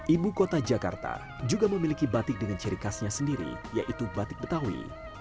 ibu kota jakarta juga memiliki batik dengan ciri khasnya sendiri yaitu batik betawi